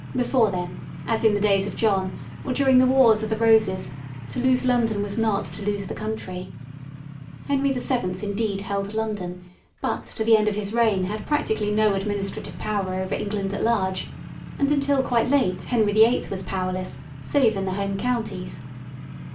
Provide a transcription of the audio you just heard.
Before then, as in the days of John or during^ the wars of the Roses, to lose London w^as not to lose the country. Henry VII indeed held London, but to the end of his reign had practically no administrative power over England at large, and until quite late Henry VIII was powerless, save in the Home Counties.